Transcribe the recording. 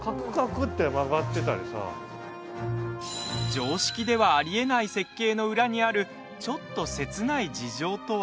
常識ではありえない設計の裏にあるちょっと切ない事情とは？